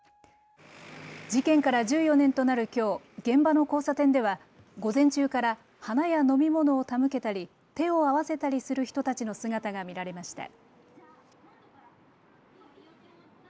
事件から１４年となるきょう、現場の交差点では午前中から花や飲み物を手向けたり手を合わせたりする人たちの姿が見られました。